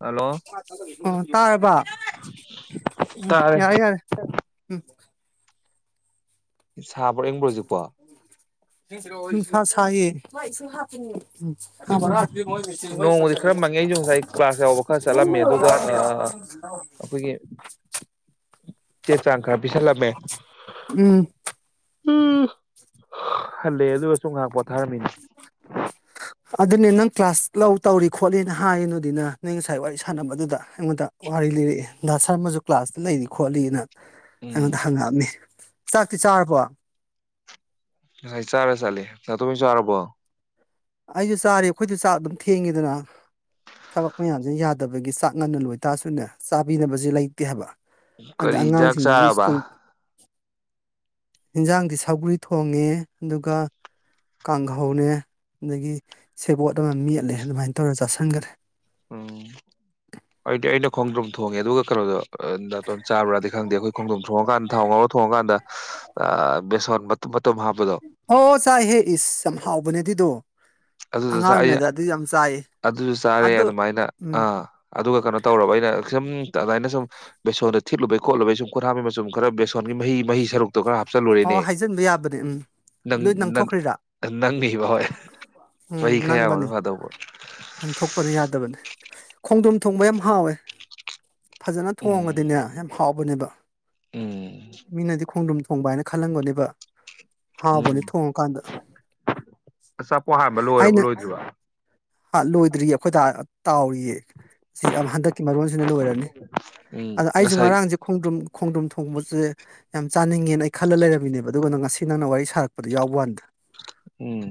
Hello ꯑꯣ ꯇꯥꯔꯕ ꯎꯝ ꯇꯥꯔꯦ ꯌꯥꯔꯦ ꯌꯥꯔꯦ ꯎꯝ ꯁꯥꯕ꯭ꯔꯥ ꯌꯦꯡꯕ꯭ꯔꯣꯁꯤꯀꯣ ꯏ ꯁ ꯅꯣꯡꯃꯗꯤ ꯈꯔ ꯃꯪꯉꯦ ꯑꯩꯁꯨ ꯉꯁꯥꯏ ꯀ꯭ꯂꯥꯁ ꯌꯥꯎꯕ ꯈꯔ ꯆꯠꯂꯝꯃꯦ ꯑꯗꯨꯒ ꯑꯩꯈꯣꯏꯒꯤ ꯆꯦ ꯆꯥꯡ ꯈꯔ ꯄꯤꯁꯜꯂꯝꯃꯦ ꯎꯝ ꯎꯝ ꯍꯜꯂꯦ ꯑꯗꯨ ꯑꯣꯏ ꯑꯁꯨ ꯉꯥꯏꯍꯥꯛ ꯄꯣꯠꯊꯥꯔꯝꯃꯤꯅꯦ ꯑꯗꯨꯅꯦ ꯅꯪ ꯀ꯭ꯂꯥꯁ ꯂꯧ ꯇꯧꯔꯤ ꯈꯣꯠꯂꯤꯅ ꯍꯥꯏꯔꯤꯅꯨꯗꯤꯅ ꯅꯪ ꯉꯁꯥꯏ ꯋꯥꯔꯤ ꯁꯥꯟꯅꯕꯗꯨꯗ ꯑꯩꯉꯣꯟꯗ ꯋꯥꯔꯤ ꯂꯤꯔꯛꯑ ꯁꯥꯔꯃꯨ ꯀ꯭ꯂꯥꯁꯇ ꯂꯩꯔꯤ ꯈꯣꯠꯂꯤꯅ ꯎꯝ ꯑꯩꯉꯣꯟꯗ ꯍꯪꯉꯛꯑꯝꯃꯤ ꯆꯥꯛꯇꯤ ꯆꯥꯔꯕꯣ ꯆꯥꯂꯦ ꯆꯂꯦ ꯅ ꯇꯃꯤꯁꯨꯕꯣ ꯑꯩꯁꯨ ꯆꯥꯔꯤ ꯑꯩꯈꯣꯏꯗ ꯆꯥꯛ ꯑꯗꯨꯝ ꯊꯦꯡꯉꯤꯗꯅ ꯊꯕꯛ ꯃꯌꯥꯝꯁꯦ ꯌꯥꯗꯕꯒꯤ ꯆꯥꯛ ꯉꯟꯅ ꯂꯣꯏꯇꯥꯔꯁꯨꯅꯦ ꯆꯥꯕꯤꯅꯕꯁꯦ ꯂꯩꯇꯦ ꯍꯥꯏꯕ ꯀꯔꯤꯖꯥꯛ ꯆꯥꯔꯕ ꯑꯦꯟꯖꯥꯡꯗꯤ ꯁꯒꯔꯤ ꯊꯣꯡꯉꯦ ꯑꯗꯨꯒ ꯀꯥꯡꯍꯧꯅꯦ ꯑꯗꯒꯤ ꯁꯦꯕꯣꯠ ꯑꯃ ꯃꯦꯠꯂꯦ ꯑꯗꯨꯃꯥꯏꯅ ꯇꯧꯔꯒ ꯆꯥꯁꯤꯟꯈꯔꯦ ꯎꯝ ꯑꯩꯗꯤ ꯑꯩꯅ ꯈꯣꯡꯗ꯭ꯔꯝ ꯊꯣꯡꯉꯦ ꯑꯗꯨꯒ ꯀꯩꯅꯣꯗꯣ ꯅꯥꯇꯣꯟ ꯆꯥꯕ꯭ꯔꯥꯗꯤ ꯈꯪꯗꯦ ꯑꯩꯈꯣꯏ ꯈꯣꯡꯗꯣꯝ ꯊꯣꯡꯉꯀꯥꯟꯗ ꯊꯥꯎ ꯉꯥꯎꯔ ꯊꯣꯡꯉꯀꯥꯟꯗ ꯕꯦꯁꯣꯠ ꯃꯇ ꯑꯣ ꯆꯥꯏꯍꯦ ꯏꯁ ꯌꯥꯝ ꯍꯥꯎꯕꯅꯦ ꯑꯗꯨꯗꯣ ꯑꯗꯨꯗ ꯆ ꯑꯩ ꯑꯗꯨꯁꯨ ꯆꯥꯔꯦ ꯑꯗꯣ ꯑꯗꯨꯃꯥꯏꯅ ꯎꯝ ꯑꯥ ꯑꯗꯨꯒ ꯀꯩꯅꯣ ꯇꯧꯔꯕ ꯑꯩꯅ ꯁꯨꯝ ꯑ ꯑꯗꯨꯃꯅ ꯁꯨꯝ ꯕꯦꯁꯣꯟꯗ ꯊꯤꯠꯂꯨꯕꯩꯣꯂꯨꯕ ꯁꯨꯝ ꯈꯣꯊ ꯍꯥꯝꯃꯤꯕ ꯈꯔ ꯕꯦꯁꯣꯟꯒꯤ ꯃꯍꯤ ꯃꯍꯤ ꯁꯔꯨꯛ ꯇꯨ ꯈꯔ ꯑꯣ ꯍꯥꯞꯆꯜꯂꯨꯔꯦꯅꯦ ꯍꯥꯏꯖꯤꯟꯕ ꯌꯥꯕꯅꯦ ꯎꯝ ꯅꯪ ꯂꯣꯏ ꯅꯪꯊꯣꯛꯈ꯭ꯔꯤꯔꯥ ꯅꯪꯅꯤꯕ ꯍꯣꯏ ꯋꯥ ꯎꯝ ꯈꯌꯥ ꯅꯪꯕꯅꯤ ꯑꯃ ꯐꯗꯧꯕ ꯈꯣꯡꯗꯣꯝ ꯊꯣꯡꯕ ꯌꯥꯝ ꯍꯥꯎꯋꯦ ꯐꯖꯅ ꯊꯣꯡꯉꯗꯤꯅꯦ ꯎꯝ ꯌꯥꯝ ꯍꯥꯎꯕꯅꯦꯕ ꯎꯝ ꯃꯤꯅꯗꯤ ꯈꯣꯡꯗꯔꯨꯝ ꯊꯣꯡꯕꯥꯅ ꯈꯜꯂꯝꯒꯅꯤꯕ ꯎꯝ ꯑꯆꯥꯄꯣꯠ ꯍꯥꯟꯕ ꯂꯣꯏꯔꯕꯣ ꯑꯩꯅ ꯂꯣꯏꯗ꯭ꯔꯤꯕꯣ ꯂꯣꯏꯗ꯭ꯔꯤꯌꯦ ꯑꯩꯈꯣꯏꯗꯥꯅ ꯇꯥꯎꯔꯤꯌꯦ ꯁꯤ ꯍꯟꯗꯛꯀꯤ ꯃꯔꯣꯟꯁꯤꯅ ꯂꯣꯏꯔꯅꯤ ꯎꯝ ꯑꯗ ꯑꯩꯁꯨ ꯉꯁꯥꯏ ꯉꯔꯥꯡꯁꯦ ꯈꯣꯡꯗ꯭ꯔꯨꯝ ꯈꯣꯡꯗ꯭ꯔꯨꯝ ꯊꯣꯡ ꯊꯣꯡꯕꯁꯦ ꯌꯥꯝ ꯆꯥꯅꯤꯡꯉꯦꯅ ꯑꯩ ꯈꯜꯂ ꯂꯩꯔꯝꯃꯤꯅꯦꯕ ꯑꯗꯨꯒꯅ ꯉꯁꯤ ꯅꯪꯅ ꯋꯥꯔꯤ ꯁꯥꯔꯛꯄꯗ ꯌꯥꯎꯕ ꯋꯥꯥꯟꯗ ꯎꯝ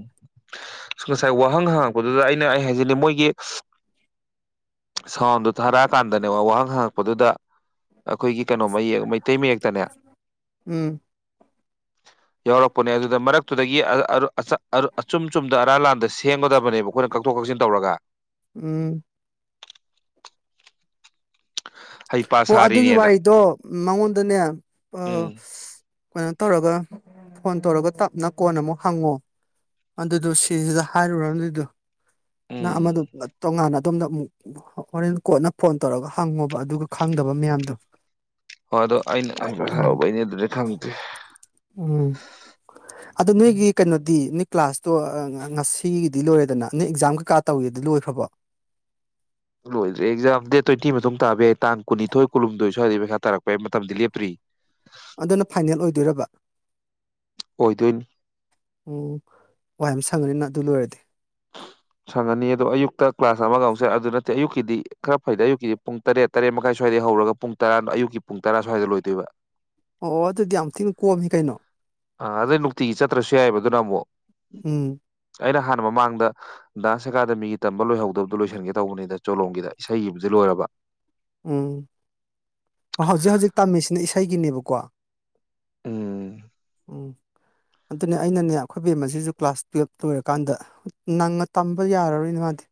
ꯉꯁꯥꯏ ꯋꯥꯍꯪ ꯍꯪꯉꯛꯄꯗꯨꯗ ꯑꯩꯅ ꯑꯩ ꯍꯥꯏꯖꯤꯅꯤ ꯃꯣꯏꯒꯤ ꯁꯥꯎꯟꯗꯣ ꯊꯥꯔꯛꯑꯀꯥꯟꯗꯅꯦꯕ ꯋꯥꯍꯪ ꯍꯪꯉꯛꯄꯗꯨꯗ ꯑꯩꯈꯣꯏꯒꯤ ꯀꯩꯅꯣ ꯃꯌꯦꯛ ꯃꯩꯇꯩ ꯃꯌꯦꯛꯇꯅꯦ ꯎꯝ ꯌꯥꯎꯔꯛꯄꯅꯦ ꯑꯗꯨꯗ ꯃꯔꯛ ꯇꯨꯗꯒꯤ ꯑꯆꯨꯝ ꯆꯨꯝꯗ ꯑꯔꯥꯟ ꯂꯥꯟꯗ ꯁꯦꯝꯒꯗꯕ ꯕ ꯑꯩꯈꯣꯏꯅ ꯀꯛꯊꯣꯛ ꯀꯛꯁꯤꯟ ꯇꯧꯔꯒ ꯎꯝ ꯍꯩꯄꯥ ꯑꯣ ꯑꯗꯨꯒꯤ ꯁꯥꯔꯤꯅꯦꯅ ꯋꯥꯔꯤꯗꯣ ꯃꯉꯣꯟꯗꯅꯦ ꯎꯝ ꯀꯩꯅꯣ ꯇꯧꯔꯒ ꯐꯣꯟ ꯇꯧꯔꯒ ꯇꯞꯅ ꯀꯣꯟꯅ ꯑꯃꯨꯛ ꯍꯪꯉꯣ ꯑꯗꯨꯗꯣ ꯁꯤꯁꯤꯗ ꯍꯥꯏꯔꯨꯔ ꯑꯗꯨꯏꯗꯨ ꯅ ꯎꯝ ꯑꯃꯗꯨ ꯇꯣꯉꯥꯟꯅ ꯑꯗꯣꯝꯗ ꯑꯃꯨꯛ ꯍꯣꯔꯦꯟ ꯀꯣꯟꯅ ꯐꯣꯟ ꯇꯧꯔꯒ ꯍꯪꯉꯣꯕ ꯑꯗꯨꯒ ꯈꯪꯗꯕ ꯃꯌꯥꯝꯗꯣ ꯍꯣꯏ ꯑꯗꯣ ꯑꯩꯅ ꯑꯩ ꯎꯝ ꯍꯧꯕꯩꯅꯦ ꯑꯗꯨꯗꯤ ꯈꯪꯗꯦ ꯎꯝ ꯑꯗꯣ ꯅꯣꯏꯒꯤ ꯀꯩꯅꯣꯗꯤ ꯅꯣꯏ ꯀ꯭ꯂꯥꯁꯇꯣ ꯉꯁꯤꯒꯤꯗꯤ ꯂꯣꯏꯔꯦꯗꯅ ꯅꯪ ꯑꯦꯛꯖꯥꯝ ꯀꯩꯀꯥ ꯇꯧꯔꯤꯗꯣ ꯂꯣꯏꯈ꯭ꯔꯕꯣ ꯂꯣꯏꯗꯔꯤ ꯑꯦꯛꯖꯥꯝ ꯗꯦꯠ ꯇ꯭ꯋꯦꯟꯇꯤ ꯃꯇꯨꯡ ꯇꯥꯕ ꯌꯥꯏ ꯇꯥꯡ ꯀꯨꯟꯅꯤꯊꯣꯏ ꯀꯨꯟꯍꯨꯝꯗꯣꯏ ꯁ꯭ꯋꯥꯏꯗꯒꯤ ꯄꯩꯁꯥ ꯇꯥꯔꯛꯄ ꯌꯥꯏ ꯃꯇꯝꯗꯤ ꯂꯦꯞꯇꯔꯤ ꯑꯗꯨꯅ ꯐꯥꯏꯅꯦꯜ ꯑꯣꯏꯗꯣꯏꯔꯕ ꯑꯣꯏꯗꯣꯏꯅꯤ ꯑꯣ ꯋꯥꯏ ꯁꯪꯉꯅꯤꯅ ꯑꯗꯨ ꯂꯣꯏꯔꯗꯤ ꯁꯪꯉꯅꯤ ꯑꯗꯣ ꯑꯌꯨꯛꯇ ꯀ꯭ꯂꯥꯁ ꯑꯃꯒ ꯑꯃꯨꯛ ꯆꯠ ꯑꯗꯨ ꯅꯠꯇꯦ ꯑꯌꯨꯛꯀꯤꯗꯤ ꯈꯔ ꯐꯩꯗꯦ ꯑꯌꯨꯛꯀꯤꯗꯤ ꯄꯨꯡ ꯇꯔꯦꯠ ꯇꯔꯦꯠ ꯃꯈꯥꯏ ꯁ꯭ꯋꯥꯏꯗꯩ ꯍꯧꯔꯒ ꯄꯨꯡ ꯇꯔꯥ ꯑꯌꯨꯛꯀꯤ ꯄꯨꯡ ꯇꯔꯥ ꯁ꯭ꯋꯥꯏꯗ ꯂꯣꯏꯗꯣꯏꯕ ꯑꯣ ꯑꯣ ꯑꯗꯨꯗꯤ ꯌꯥꯝ ꯊꯤꯅ ꯀꯣꯝꯃꯤ ꯀꯩꯅꯣ ꯑꯗꯨꯅꯃꯨꯛ ꯎꯝ ꯑꯩꯅ ꯍꯥꯟꯅ ꯃꯃꯥꯡꯗ ꯗꯥꯟꯁ ꯑꯦꯀꯥꯗꯃꯤꯒꯤ ꯇꯝꯕ ꯂꯣꯏꯍꯧꯗꯕꯗꯣ ꯂꯣꯏꯁꯤꯟꯒꯦ ꯇꯧꯕꯅꯤꯗ ꯆꯣꯂꯣꯝꯒꯤꯗ ꯏꯁꯩꯒꯤꯕꯨꯗꯤ ꯂꯣꯏꯔꯕ ꯎꯝ ꯑꯩꯒꯤꯅꯦꯕꯀꯣ ꯎꯝ ꯎꯝ ꯑꯗꯨꯅꯦ ꯑꯩꯅꯅꯦ ꯑꯩꯈꯣꯏ ꯕꯦꯝꯃꯁꯤꯁꯨ ꯀ꯭ꯂꯥꯁ ꯇꯨꯌꯦꯜꯞ ꯂꯣꯏꯔꯀꯥꯟꯗ ꯅꯪꯅ ꯇꯝꯕ ꯌꯥꯔꯔꯣꯏꯅ ꯃꯥꯗꯤ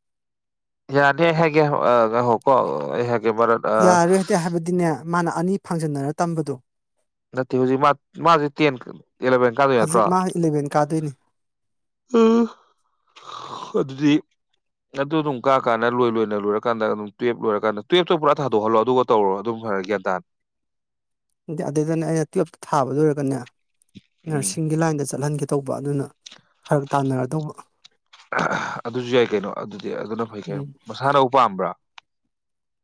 ꯌꯥꯅꯤ ꯑꯩ ꯍꯥꯏꯒꯦ ꯉꯥꯏꯈꯣꯀꯣ ꯑꯩ ꯍꯥꯏ ꯌꯥꯔꯣꯏ ꯍꯥꯏꯗꯤ ꯍꯥꯏꯕꯗꯤꯅꯦ ꯃꯥꯅ ꯑꯅꯤ ꯐꯪꯖꯟꯅꯔ ꯇꯝꯕꯗꯣ ꯅꯠꯇꯦ ꯍꯧꯖꯤꯛ ꯃꯥꯁꯦ ꯇꯦꯟ ꯑꯦꯂꯚꯦꯟ ꯀꯥꯗꯣꯏ ꯅꯠꯇ꯭ꯔꯣ ꯍꯧꯖꯤꯛ ꯃꯥ ꯏꯂꯚꯦꯟ ꯀꯥꯗꯣꯏꯅꯤ ꯑꯗꯨꯗꯤ ꯑꯗꯨ ꯑꯗꯨꯝ ꯀꯥꯀꯥꯅ ꯂꯣꯏ ꯂꯣꯏꯅ ꯂꯣꯏꯔꯀꯥꯟꯗ ꯑꯗꯨꯝ ꯇꯨꯌꯦꯜꯞ ꯂꯣꯏꯔꯀꯥꯟꯗ ꯇꯨꯌꯦꯜꯞꯇꯣ ꯄꯨꯔꯥ ꯊꯥꯗꯣꯛꯍꯜꯂꯣ ꯑꯗꯨꯒ ꯇꯧꯔꯣ ꯑꯗꯨꯝ ꯐꯔꯦ ꯒ꯭ꯌꯥꯟ ꯇꯥꯅ ꯑꯗꯨꯏꯗꯅꯦ ꯑꯩꯅ ꯇꯨꯌꯦꯜꯞꯇ ꯊꯥꯕ ꯂꯣꯏꯔꯒꯅꯦ ꯎꯝ ꯅꯔꯁꯤꯡꯒꯤ ꯂꯥꯏꯟꯗ ꯆꯠꯍꯟꯒꯦ ꯇꯧꯕ ꯑꯗꯨꯅ ꯐꯔꯛ ꯇꯥꯟꯅꯔꯗꯧꯕ ꯑꯗꯨꯁꯨ ꯌꯥꯏ ꯀꯩꯅꯣ ꯑꯗꯨꯗꯤ ꯑꯗꯨꯅ ꯐꯩ ꯀꯩ ꯎꯝ ꯃꯁꯥꯅꯕꯨ ꯄꯥꯝꯕ꯭ꯔꯥ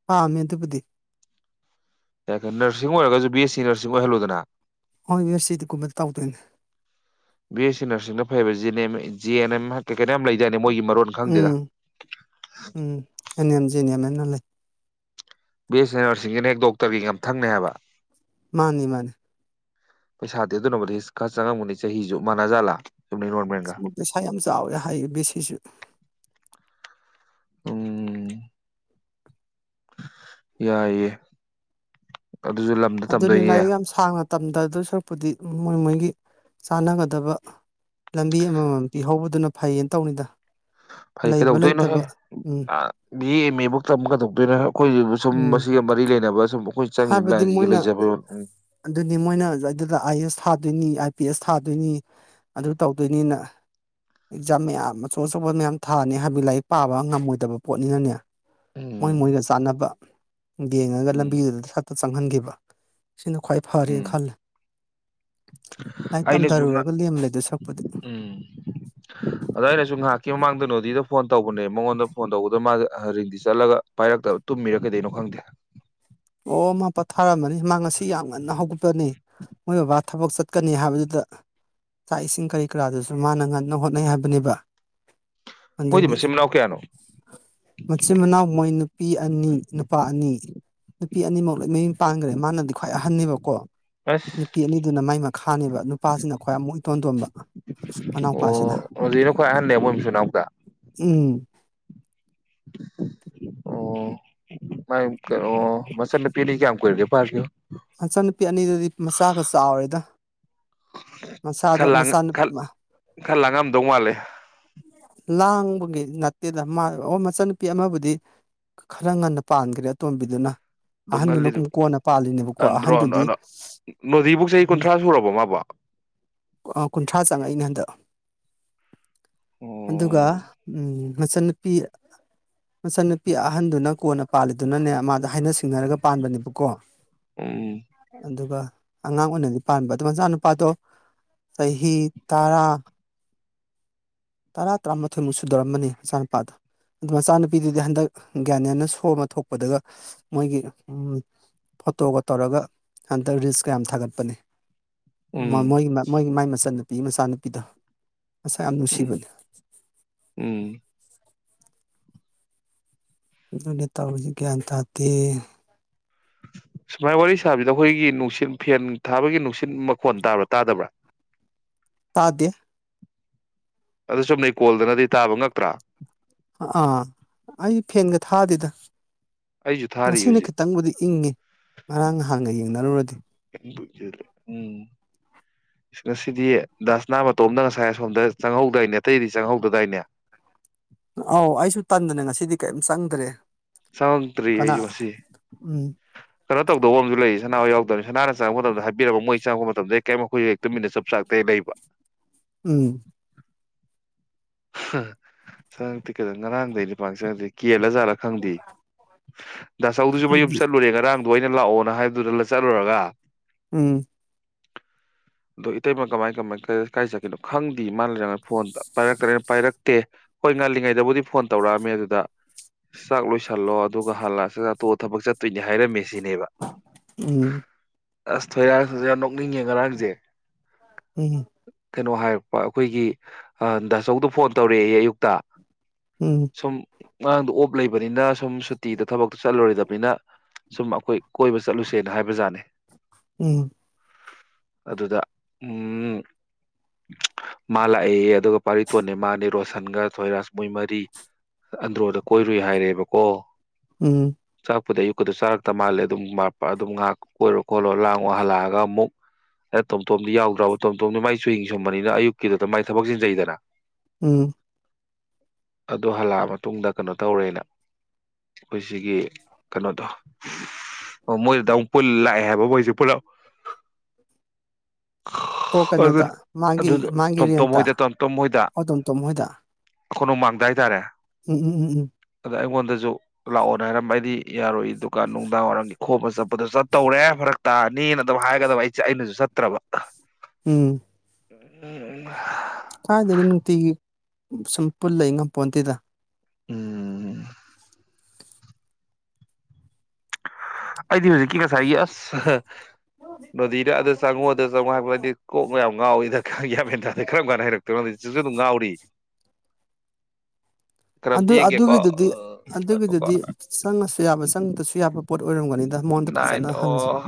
ꯄꯥꯝꯃꯦ ꯑꯗꯨꯕꯨꯗꯤ ꯌꯥꯏ ꯀꯩꯅꯣ ꯅꯔꯁꯤꯡ ꯑꯣꯏꯔꯒ ꯕꯤ ꯑꯦꯁ ꯁꯤ ꯅꯔꯁꯤꯡ ꯑꯣꯏꯍꯜꯂꯨꯗꯅ ꯍꯣꯏ ꯌꯨ ꯑꯦꯁ ꯁꯤꯗꯒꯨꯝꯕ ꯇꯧꯗꯣꯏꯅꯦ ꯕꯤ ꯑꯦꯁ ꯁꯤ ꯅꯔꯁꯤꯡꯅ ꯐꯩꯕ ꯖꯤꯅꯦꯝ ꯖꯤ ꯑꯦꯟ ꯑꯦꯝ ꯍꯥꯏꯐꯦꯠ ꯀꯩꯅꯣꯝ ꯂꯩꯖꯅꯤ ꯃꯣꯏꯒꯤ ꯃꯔꯣꯟ ꯈꯪꯗꯦꯗ ꯎꯝ ꯅꯂꯩ ꯕꯤ ꯑꯦꯁ ꯑꯦ ꯅꯔꯁꯤꯡꯒꯤꯅ ꯍꯦꯛ ꯗꯣꯛꯇꯔꯒꯤ ꯃꯊꯪꯅꯦ ꯍꯥꯏꯕ ꯃꯥꯅꯤ ꯃꯥꯅꯤ ꯄꯩꯁꯥꯗꯤ ꯑꯗꯨꯅꯕꯨꯗꯤ ꯈꯔ ꯆꯪꯉꯝꯒꯅꯤ ꯆꯍꯤꯁꯨ ꯃꯥꯟꯅꯖꯥꯠꯂꯥ ꯆꯨꯝꯅꯩ ꯁꯤ ꯅꯣꯔꯃꯦꯜꯒ ꯄꯩꯁꯥ ꯌꯥꯝ ꯆꯥꯎꯋꯦ ꯍꯥꯏꯌꯦ ꯕꯦꯁꯤꯁꯨ ꯎꯝ ꯌꯥꯏꯌꯦ ꯑꯗꯨꯁꯨ ꯂꯝꯗ ꯑꯗꯨꯅꯤ ꯇꯝꯗꯣꯏꯅꯦ ꯂꯥꯏꯔꯤꯛ ꯌꯥꯝ ꯁꯥꯡꯅ ꯇꯝꯗꯗꯣꯏ ꯁꯔꯛꯄꯨꯗꯤ ꯃꯣꯏ ꯃꯣꯏꯒꯤ ꯆꯥꯟꯅꯒꯗꯕ ꯂꯝꯕꯤ ꯑꯃꯃꯝ ꯄꯤꯍꯧꯕꯗꯨꯅ ꯐꯩꯌꯦꯅ ꯇꯧꯅꯤꯗ ꯐꯩ ꯂꯩꯕ ꯀꯩꯗꯧꯗꯣꯏꯅꯣꯍꯦ ꯂꯩꯇꯕ ꯎꯝ ꯕꯤ ꯑꯦ ꯑꯦꯝ ꯑꯦ ꯐꯧꯇꯝ ꯀꯩꯗꯧꯗꯣꯏꯅꯣ ꯑꯈꯣꯏ ꯁꯨꯝ ꯎꯝ ꯃꯁꯤꯒ ꯃꯔꯤ ꯂꯩꯅꯕ ꯁꯨꯝ ꯑꯩꯈꯣꯏ ꯆꯪꯉꯤꯕ ꯍꯥꯏꯕꯗꯤ ꯂꯥꯏꯟꯁꯤꯒ ꯃꯣꯏꯅ ꯂꯩꯖꯕ ꯎꯝ ꯑꯗꯨꯗꯤ ꯃꯣꯏꯅ ꯑꯗꯨꯗ ꯑꯥꯏ ꯑꯦꯁ ꯊꯥꯗꯣꯏꯅꯤ ꯑꯥꯏ ꯄꯤ ꯑꯦꯁ ꯊꯥꯗꯣꯏꯅꯤ ꯑꯗꯨ ꯇꯧꯗꯣꯏꯅꯤꯅ ꯑꯦꯛꯖꯥꯝ ꯃꯌꯥꯝ ꯑꯆꯧ ꯑꯆꯧꯕ ꯃꯌꯥꯝ ꯊꯥꯅꯤ ꯍꯥꯏꯕꯗꯤ ꯂꯥꯏꯔꯤꯛ ꯄꯥꯕ ꯉꯝꯃꯣꯏꯗꯕ ꯄꯣꯠꯅꯤꯅꯅꯦ ꯃꯣꯏ ꯎꯝ ꯃꯣꯏꯒ ꯆꯥꯟꯅꯕ ꯌꯦꯡꯉꯒ ꯂꯝꯕꯤ ꯎꯝ [unintelligible] ꯆꯪꯍꯟꯒꯤꯕ ꯁꯤꯅ ꯈ꯭ꯋꯥꯏ ꯐꯔꯦꯅ ꯎꯝ ꯈꯜꯂꯦ ꯂꯥꯏꯔꯤꯛ ꯑꯩꯅꯁꯨ ꯇꯝꯊꯔꯨꯔꯒ ꯂꯦꯝꯂꯩꯗꯣꯏ ꯁꯛꯄꯨꯗꯤ ꯎꯝ ꯑꯗ ꯑꯩꯅꯁꯨ ꯉꯥꯏꯍꯥꯛꯀꯤ ꯃꯃꯥꯡꯗ ꯅꯣꯗꯤꯗ ꯐꯣꯟ ꯇꯧꯕꯅꯦ ꯃꯉꯣꯟꯗ ꯐꯣꯟ ꯇꯧꯕꯗ ꯃꯥ ꯔꯤꯡꯗꯤ ꯆꯠꯂꯒ ꯄꯥꯏꯔꯛꯇꯕ ꯇꯨꯝꯃꯤꯔ ꯀꯩꯗꯧꯅꯣ ꯈꯪꯗꯦ ꯑꯣ ꯃꯥ ꯄꯣꯊꯥꯔꯝꯃꯅꯤ ꯃꯥ ꯉꯁꯤ ꯌꯥꯝ ꯉꯟꯅ ꯍꯧꯒꯠꯄꯅꯤ ꯃꯣꯏ ꯕꯕꯥ ꯊꯕꯛ ꯆꯠꯀꯅꯤ ꯍꯥꯏꯕꯗꯨꯗ ꯆꯥꯛ ꯏꯁꯤꯡ ꯀꯔꯤ ꯀꯔꯥꯗꯨꯁꯨ ꯃꯥꯅ ꯉꯟꯅ ꯍꯣꯠꯅꯩ ꯍꯥꯏꯕꯅꯦꯕ ꯃꯣꯏꯗꯤ ꯑꯗꯒꯤ ꯃꯆꯤꯟ ꯃꯅꯥꯎ ꯀꯌꯥꯅꯣ ꯃꯆꯤꯟ ꯃꯅꯥꯎ ꯃꯣꯏꯅ ꯅꯨꯄꯤ ꯑꯅꯤ ꯅꯨꯄꯥ ꯑꯅꯤ ꯅꯨꯄꯤ ꯑꯅꯤꯃꯛ ꯂꯣꯏ ꯃꯌꯨꯝ ꯄꯥꯟꯒ꯭ꯔꯦ ꯃꯥꯅꯗꯤ ꯈ꯭ꯋꯥꯏ ꯑꯍꯟꯅꯦꯕꯀꯣ ꯑꯁ ꯅꯨꯄꯤ ꯑꯅꯤꯗꯨꯅ ꯃꯥꯏ ꯃꯈꯥꯅꯦꯕ ꯅꯨꯄꯥꯁꯤꯅ ꯈ꯭ꯋꯥꯏ ꯑꯃꯨꯛ ꯏꯇꯣꯟꯇꯣꯟꯕ ꯃꯅꯥꯎꯄꯥꯁꯤꯅ ꯑꯣ ꯔꯣꯖꯤꯅ ꯈ꯭ꯋꯥꯏ ꯑꯍꯟꯅꯦ ꯃꯣꯏ ꯃꯆꯤꯟ ꯃꯅꯥꯎꯗ ꯎꯝ ꯑꯣ ꯃꯥ ꯃꯆꯟꯅꯨꯄꯤꯅ ꯀꯌꯥꯝ ꯀꯨꯏꯔꯒꯦ ꯄꯥꯟꯒꯤꯕ ꯃꯆꯟꯅꯨꯄꯤ ꯑꯅꯤꯗꯨꯗꯤ ꯃꯆꯥꯒ ꯆꯥꯎꯔꯦꯗ ꯃꯆꯥꯗꯣ ꯈꯔ ꯂꯥꯡ ꯃꯆꯥ ꯈꯔ ꯈꯔ ꯂꯥꯡꯉꯝꯗꯧ ꯃꯥꯜꯂꯦ ꯂꯥꯡꯕꯒꯤ ꯅꯠꯇꯦꯗ ꯃꯥ ꯑꯣ ꯃꯆꯟꯅꯨꯄꯤ ꯑꯃꯕꯨꯗꯤ ꯈꯔ ꯉꯟꯅ ꯄꯥꯟꯈ꯭ꯔꯦ ꯑꯇꯣꯝꯕꯤꯗꯨꯅ ꯑꯗꯨ ꯑꯍꯟꯗꯨꯅ ꯉꯜꯂꯤꯗꯨ ꯀꯨꯝ ꯀꯣꯟꯅ ꯄꯥꯜꯂꯤꯅꯦꯕꯀꯣ ꯑꯍꯟꯗꯨꯗꯤ ꯅꯣꯗꯤꯕꯨ ꯆꯍꯤ ꯀꯨꯟꯊ꯭ꯔꯥ ꯁꯨꯔꯕꯣ ꯃꯥꯕꯣ ꯑꯣ ꯀꯨꯟꯊ꯭ꯔꯥ ꯆꯪꯉꯛꯏꯅꯦ ꯍꯟꯗꯛ [unintelligible] ꯑꯗꯨꯒ ꯎꯝ ꯎꯝ ꯃꯆꯟꯅꯨꯄꯤ ꯃꯆꯟꯅꯨꯄꯤ ꯑꯍꯟꯗꯨꯅ ꯀꯣꯟꯅ ꯄꯥꯜꯂꯤꯗꯨꯅꯅꯦ ꯃꯥꯗ ꯍꯥꯏꯅ ꯁꯤꯡꯅꯔꯒ ꯄꯥꯟꯕꯅꯦꯕꯀꯣ꯫ ꯎꯝ ꯑꯗꯨꯒ ꯑꯉꯥꯡ ꯑꯣꯏꯅꯗꯤ ꯄꯥꯟꯕ ꯑꯗꯨ ꯃꯆꯥꯅꯨꯄꯥꯗꯣ ꯆꯍꯤ ꯇꯔꯥ ꯇꯔꯥ ꯇꯔꯥꯃꯥꯊꯣꯏꯃꯨꯛ ꯁꯨꯗꯣꯔꯝꯕꯅꯤ ꯃꯆꯥꯅꯨꯄꯥꯗꯣ ꯑꯗꯨ ꯃꯆꯥꯅꯨꯄꯤꯗꯨꯗꯤ ꯍꯟꯗꯛ ꯒ꯭ꯌꯥꯅꯥꯟꯅ ꯁꯣ ꯑꯃ ꯊꯣꯛꯄꯗꯒ ꯃꯣꯏꯒꯤ ꯎꯝ ꯐꯣꯇꯣꯒ ꯇꯧꯔꯒ ꯍꯟꯗꯛ ꯔꯤꯜꯁꯀ ꯌꯥꯝ ꯊꯥꯒꯠꯄꯅꯤ ꯃ ꯎꯝ ꯃꯣꯏꯒꯤ ꯃꯣꯏ ꯃꯥꯏ ꯆꯟꯅꯨꯄꯤ ꯃꯆꯥꯅꯨꯄꯤꯗꫭ ꯃꯁꯛ ꯌꯥꯝ ꯅꯨꯡꯁꯤꯕꯅꯤ ꯎꯝ ꯑꯗꯨꯅꯤ ꯇꯧꯔꯤꯖꯤ ꯒ꯭ꯌꯥꯟ ꯇꯥꯗꯦ ꯁꯨꯃꯥꯏ ꯋꯥꯔꯤ ꯁꯥꯕꯖꯤꯅ ꯑꯩꯈꯣꯏꯒꯤ ꯅꯨꯡꯁꯤꯠ ꯐꯦꯟ ꯊꯥꯕꯒꯤ ꯅꯨꯡꯁꯤꯠ ꯃꯈꯣꯟ ꯇꯥꯕ꯭ꯔꯥ ꯇꯥꯗꯕ꯭ꯔꯥ ꯇꯥꯗꯦ ꯑꯗꯨ ꯆꯨꯝꯅꯩ ꯀꯣꯜꯗꯅꯗꯤ ꯇꯥꯕ ꯉꯛꯇ꯭ꯔꯥ ꯑꯥ ꯑꯩ ꯐꯦꯟꯒ ꯊꯥꯗꯦꯗ ꯑꯩꯁꯨ ꯊꯥꯔꯤ ꯉꯁꯤꯅ ꯍꯧꯖꯤꯛ ꯈꯤꯇꯪꯕꯨꯗꯤ ꯏꯪꯉꯤ ꯉꯔꯥꯡ ꯅꯍꯥꯟꯒ ꯌꯦꯡꯅꯔꯨꯔꯗꯤ ꯎꯝ ꯉꯁꯤꯗꯤ ꯗꯥꯁꯅꯥ ꯃꯇꯣꯝꯗ ꯉꯁꯥꯏ ꯑꯁꯣꯝꯗ ꯆꯪꯍꯧꯗꯏꯅꯦ ꯑꯇꯩꯗꯤ ꯆꯪꯍꯧꯗꯗꯥꯏꯅꯦ ꯑꯥꯎ ꯑꯩꯁꯨ ꯇꯟꯗꯅ ꯉꯁꯤꯗꯤ ꯀꯩꯝ ꯆꯪꯗ꯭ꯔꯦ ꯆꯪꯉꯛꯇ꯭ꯔꯤ ꯀꯅꯥ ꯑꯩꯁꯨ ꯉꯁꯤ ꯎꯝ ꯀꯩꯅꯣ ꯇꯧꯗꯧꯕ ꯑꯃꯁꯨ ꯂꯩ ꯁꯅꯥꯍꫭꯏ ꯌꯥꯎ [unintelligible] ꯁꯅꯥꯅ ꯆꯪꯉꯛ ꯃꯇꯝꯗ ꯍꯥꯏꯕꯤꯔꯕ ꯃꯣꯏ ꯆꯪꯉꯛꯄ ꯃꯇꯝꯗ ꯀꯩꯝ ꯃꯈꯣꯏ ꯍꯦꯛ ꯇꯨꯃꯤꯟꯅ ꯆꯨꯞ ꯆꯥꯛꯇ ꯍꯦꯛ ꯂꯩꯕ ꯎꯝ ꯆꯉꯛꯇꯦ ꯀꯗꯩꯅꫭ ꯉꯔꯥꯡꯗꯩꯅꯤ ꯄꯥꯛꯅ ꯅꯥꯆꯉꯉꯛ ꯀꯦꯜꯂ ꯖꯥꯠꯂꯥ ꯈꯪꯗꯦ ꯗꯥꯆꯧꯗꯨꯁꯨ ꯃꯌꯨꯝ ꯈꯪꯗꯦ ꯆꯠꯂꯨꯔꯦ ꯉꯔꯥꯡꯗꯣ ꯑꯩꯅ ꯂꯥꯛꯑꯣꯅ ꯍꯥꯏꯕꯗꯨꯗ ꯆꯠꯂꯨꯔꯒ ꯎꯝ ꯑꯗꯣ ꯏꯇꯩꯃ ꯀꯃꯥꯏ ꯀꯃꯥꯏ ꯀꯥꯏ ꯆꯠꯈꯤꯅꯣ ꯈꯪꯗꯤꯌꯦ ꯃꯥꯅ ꯂꯩꯔ ꯐꯣꯟꯗ ꯄꯥꯏꯔꯛꯇꯤꯌꯦ ꯀꯅ ꯄꯥꯏꯔꯛꯇꯦ ꯍꯣꯏ ꯉꯥꯜꯂꯤꯉꯩꯗꯕꯨꯗꯤ ꯐꯣꯟ ꯇꯧꯔꯛꯑꯝꯃꯦ ꯑꯗꯨꯗ ꯆꯥꯛ ꯂꯣꯏꯁꯜꯂꯣ ꯑꯗꯨꯒ ꯍꯥꯟꯂꯛꯑ ꯆꯇꯣ ꯊꯕꯛ ꯆꯠꯇꯣꯏꯅꯦ ꯍꯥꯏꯔꯝꯃꯤ ꯁꯤꯅꯦꯕ ꯎꯝ ꯑꯁ ꯊꯣꯏꯔꯥꯡꯁꯨ ꯌꯥꯝ ꯅꯣꯛꯅꯤꯡꯉꯦ ꯉꯔꯥꯡꯁꯦ ꯎꯝ ꯀꯩꯅꯣ ꯍꯥꯏꯔꯛꯄ ꯑꯩꯈꯣꯏꯒꯤ ꯗꯁ ꯆꯧꯗꯨ ꯐꯣꯟ ꯇꯧꯔꯛꯑꯦꯌꯦ ꯑꯌꯨꯛꯇ ꯎꯝ ꯉꯥꯔꯥꯡꯗꯣ ꯑꯣꯞ ꯂꯩꯕꯅꯤꯅ ꯁꯨꯝ ꯁꯨꯇꯤꯗ ꯊꯕꯛꯇꯣ ꯆꯠꯂꯨꯔꯣꯏꯗꯕꯅꯤꯅ ꯁꯨꯝ ꯑꯩꯈꯣꯏ ꯀꯣꯏꯕ ꯆꯠꯂꯨꯁꯦꯅ ꯍꯥꯏꯕꯖꯥꯠꯅꯤ ꯎꯝ ꯑꯗꯨꯗ ꯎꯝ ꯃꯥ ꯂꯥꯛꯑꯦꯌꯦ ꯑꯗꯨꯒ ꯄꯥꯔꯤꯇꯣꯟꯅꯦ ꯃꯥꯅꯦ ꯔꯣꯁꯟꯒ ꯊꯣꯏꯔꯥꯁ ꯃꯣꯏ ꯃꯔꯤ ꯑꯟꯗ꯭ꯔꯣꯗ ꯀꯣꯏꯔꯨꯏ ꯍꯥꯏꯔꯦꯕꯀꯣ ꯎꯝ ꯄꯨꯗꯤ ꯑꯌꯨꯛꯀꯗ ꯆꯥꯔꯛꯇ ꯃꯥꯜꯂꯦ ꯑꯗꯨꯝ ꯑꯗꯨꯝ ꯉꯥꯏꯍꯥꯛ ꯀꯣꯏꯔꯣ ꯈꯣꯠꯂꯣ ꯂꯥꯡꯉꯣ ꯍꯜꯂꯛꯑꯒ ꯑꯃꯨꯛ ꯍꯩꯅ ꯇꯣꯝꯇꯣꯝꯗꯤ ꯌꯥꯎꯗ꯭ꯔꯣꯕꯨ ꯇꯣꯝꯇꯣꯝꯗꯤ ꯃꯥꯏꯁꯨ ꯆꯨꯍꯤꯡ ꯁꯨꯝꯕꯅꯤꯅ ꯑꯌꯨꯛꯀꯤꯗꯨꯗ ꯃꯥꯏ ꯊꯕꯛ ꯆꯤꯟꯖꯩꯗꯅ ꯎꯝ ꯑꯗꯨ ꯍꯜꯂ ꯃꯇꯨꯡꯗ ꯀꯩꯅꯣ ꯇꯧꯔꯦꯅ ꯑꯩꯈꯣꯏ ꯁꯤꯒꯤ ꯀꯩꯅꯣꯗꯣ ꯑꯣ ꯃꯣꯏꯗꯨꯗ ꯑꯃꯨꯛ ꯄꯨꯜꯂ ꯂꯥꯛꯑꯦ ꯍꯥꯏꯕ ꯃꯣꯏꯁꯦ ꯄꯨꯂꯞ ꯑꯣ ꯀꯩꯅꯣꯗ ꯑꯗꯨꯅ ꯃꯥꯒꯤ ꯑꯗꯨꯗ ꯃꯥꯒꯤ ꯇꯣꯝꯇꯣꯝ ꯔꯦꯟꯇ ꯍꯣꯏꯗ ꯑꯣ ꯇꯣꯝ ꯇꯣꯝ ꯍꯣꯏꯗ ꯀꫭꯅꯨꯡ ꯃꯥꯡꯗ ꯍꯥꯏꯇꯥꯔꯦ ꯎꯝ ꯎꯝ ꯎꯝ ꯎꯝ ꯑꯗ ꯑꯩꯉꯣꯟꯗꯁꯨ ꯂꯥꯛꯑꯣꯅꯦ ꯍꯥꯏꯔꯝꯕ ꯑꯩꯗꯤ ꯌꯥꯔꯣꯏ ꯗꯨꯀꯥꯟ ꯅꯨꯡꯗꯥꯡ ꯋꯥꯏꯔꯝꯒꯤ ꯈꯣꯝꯕ ꯆꯠꯄꯗꯣ ꯆꯠꯇꯧꯔꯦ ꯐꯔꯛ ꯇꯥꯔꯅꯤꯅ ꯑꯗꯨꯝ ꯍꯥꯏꯒꯗꯕ ꯑꯩꯅꯁꯨ ꯆꯠꯇ꯭ꯔꯕ ꯎꯝ ꯎ ꯎ ꯊꯥꯏꯗꯒꯤ ꯅꯨꯡꯇꯤꯒꯤ ꯁꯨꯝ ꯄꯨꯜꯂꯏ ꯉꯝꯄꯣꯟꯇꯗ ꯎꯝ ꯑꯩꯗꯤ ꯍꯧꯖꯤꯛꯀꯤ ꯀꯁꯏ ꯑꯁ ꯅꯗꯤꯗ ꯑꯗ ꯆꯪꯉꯨ ꯑꯗ ꯆꯪꯉꯨ ꯍꯥꯏꯕꯗꯤ ꯀꯣꯛ ꯃꯌꯥꯝ ꯉꯥꯎꯏꯗꯕꯦꯟꯗ ꯀꯔꯝ ꯀꯥꯟꯗ ꯍꯩꯔꯛꯇꯣꯏꯅꯣꯁꯨ ꯑꯗꯨꯝ ꯉꯥꯎꯔꯤ ꯀꯔꯝ ꯑꯗꯨ ꯌꯦꯡꯒꯦꯀꯣ ꯑꯗꯨꯒꯤꯗꯨꯗꯤ ꯉꯥꯏꯈꯣꯀꯣ ꯑꯗꯨꯒꯤꯗꯨꯗꯤ ꯆꯪꯉꯁꯨ ꯌꯥꯕ ꯆꯪꯛꯇꯁꯨ ꯌꯥꯕ ꯄꯣꯠ ꯑꯣꯏꯔ ꯑꯣꯏꯔꯝꯒꯅꯤꯗ ꯃꯣꯟꯗ ꯅꯥꯏꯟ ꯐꯖꯅ ꯍꯪꯁꯤ ꯑꯣ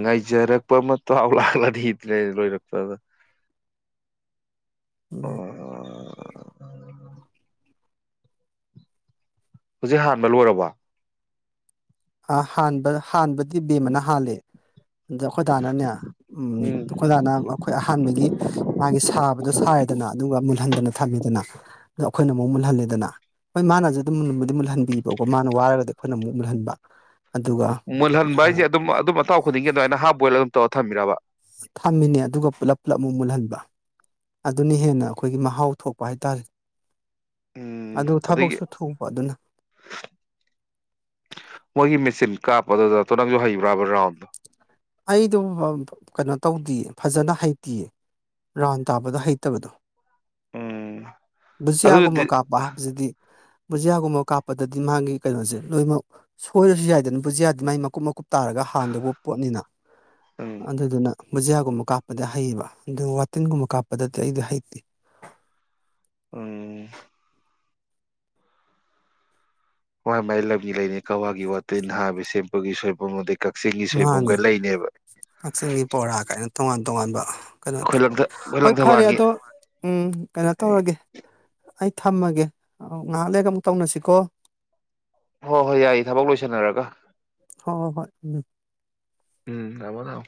ꯉꯥꯏꯖꯔꯛꯄ ꯃ ꯍꯥꯎ ꯂꯒꯂꯗꯤ ꯏ ꯂꯣꯏꯔꯛꯄꯗ ꯎꯝ ꯍꯧꯖꯤꯛ ꯍꯥꯟꯕ ꯂꯣꯏꯔꯕ ꯑ ꯍꯥꯟꯥꯟꯕ ꯍꯥꯟꯥꯟꯕ ꯗꯤ ꯕꯦꯝꯃꯅ ꯍꯥꯜꯂꯦ ꯑꯗ ꯑꯩꯈꯣꯏꯗꯥꯅꯅꯦ ꯎ ꯎꯝ ꯑꯩꯈꯣꯏꯗꯥꯅ ꯑꯩꯈꯣꯏ ꯑꯍꯥꯟꯕꯒꯤ ꯃꯥꯒꯤ ꯁꯥꯕꯗꯣ ꯁꯥꯏꯔꯗꯅ ꯑꯗꯨꯒ ꯃꯨꯜꯍꯟꯗꯅ ꯊꯝꯃꯦꯗꯅ ꯑꯗꯣ ꯑꯩꯈꯣꯏ ꯑꯃꯨꯛ ꯃꯨꯜꯍꯜꯂꯦꯅ ꯍꯣꯏ ꯃꯥꯅꯁꯨ ꯑꯗꯨꯝ ꯃꯨꯟꯕꯗꯤ ꯃꯨꯜꯍꯟꯕꯤꯕꯀꯣ ꯃꯥꯅ ꯋꯥꯔꯒꯗꯤ ꯑꯩꯈꯣꯏꯅ ꯑꯃꯨꯛ ꯃꯨꯜꯍꯟꯕ ꯑꯗꯨꯒ ꯃꯨꯜꯍꯟꯕ ꯍꯥꯏꯁꯦ ꯑꯗꯨꯝ ꯑꯗꯨꯝ ꯑꯊꯥꯎ ꯈꯨꯗꯤꯡꯒꯤ ꯑꯗꯨꯃꯥꯏꯅ ꯍꯥꯞ ꯕꯣꯏꯜ ꯑꯗꯨꯝ ꯇꯣꯊꯃꯤꯔꯕ ꯊꯝꯃꯤꯅꯦ ꯑꯗꯨꯒ ꯄꯨꯂꯞ ꯄꯨꯜꯂꯞ ꯑꯃꯨꯛ ꯃꯨꯜꯍꯟꯕ ꯑꯗꯨꯅ ꯍꯦꯟꯅ ꯑꯩꯈꯣꯏꯒꯤ ꯃꯍꯥꯎ ꯊꯣꯛꯄ ꯍꯥꯏ ꯇꯔꯦ ꯑꯗꯒꯤ ꯃꯣꯏꯒꯤ ꯃꯦꯁꯤꯤꯟ ꯀꯥꯞꯄ ꯑꯗꯨꯗ ꯇ ꯅꯪꯁꯨ ꯍꯩ ꯔꯕꯔ ꯔꯥꯎꯟꯗ ꯑꯩꯗꯨ ꯀꯩꯅꯣ ꯇꯧꯗꯦꯌꯦ ꯐꯖꯅ ꯍꯩꯇꯌꯦ ꯔꯥꯎꯟ ꯇꯥꯕꯗ ꯍꯩꯇꯕꯗꯣ ꯎꯝ ꯕꯨꯖꯤꯌꯥꯒꯨꯝꯕ ꯑꯗꯨꯗꯤ ꯀꯥꯞꯄ ꯍꯥꯏꯕꯁꯤꯗꯤ ꯕꯨꯖꯤꯌꯥꯒꯨꯝꯕ ꯀꯥꯞꯄꯗꯗꯤ ꯃꯥꯒꯤ ꯀꯩꯅꯣꯁꯦ ꯂꯣꯏꯅꯃꯛ ꯁꯣꯏꯔꯁꯨ ꯌꯥꯏꯗꯅ ꯕꯨꯖꯤꯌꯥꯗꯤ ꯃꯥꯏ ꯃꯀꯨꯞ ꯃꯀꯨꯞ ꯇꯥꯔꯒ ꯍꯥꯟꯗꯧꯕ ꯄꯣꯠꯅꯤꯅ ꯎꯝ ꯑꯗꯨꯗ ꯑꯗꯨꯅ ꯕꯨꯖꯤꯌꯥꯒꯨꯝꯕ ꯀꯥꯞꯄꯗ ꯍꯩꯌꯦꯕ ꯑꯗꯨ ꯋꯥꯇꯤꯟꯒꯨꯝꯕ ꯀꯥꯞꯄꯗꯗꯤ ꯑꯩꯗꯤ ꯍꯩꯇꯦ ꯎꯝ ꯍꯣꯏ ꯃꯥꯏꯂ ꯂꯩꯅꯦ ꯀꯋꯥꯒꯤ ꯋꯥꯠꯇꯅ ꯍꯥꯏꯕꯁꯤ ꯁꯄꯒꯤ ꯁꯣꯏꯜꯄ ꯃ ꯃꯥꯅꯦ ꯀꯛꯆꯤꯡꯒꯤ ꯄꯕꯣꯔꯥ ꯀꯥꯏꯅ ꯇꯣꯉꯥꯟ ꯇꯣꯉꯥꯟꯕ ꯀꯩꯅꯣꯗ ꯑꯩꯈꯣꯏ ꯂꯪꯊ ꯑꯩꯈꯣꯏ ꯍꯣꯏ ꯐꯔꯦ ꯂꯪꯊꯕꯥꯜꯒꯤ ꯑꯗꯣ ꯎꯝ ꯀꯩꯅꯣ ꯇꯧꯔꯒꯦ ꯑꯩ ꯊꯝꯃꯒꯦ ꯉꯥꯏꯍꯥꯛ ꯂꯩꯦꯛꯒ ꯑꯃꯨꯛ ꯇꯧꯅꯁꯤꯀꯣ ꯍꯣꯏ ꯍꯣꯏ ꯌꯥꯏꯌꯦ ꯊꯕꯛ ꯂꯣꯏꯁꯟꯅꯔꯒ ꯍꯣꯏ ꯍ ꯍꯣꯏ ꯎꯝ ꯎꯝ ꯑꯗꯥꯎ